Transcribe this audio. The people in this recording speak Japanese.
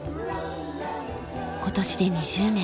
今年で２０年。